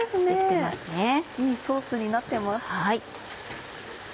いいソースになってます。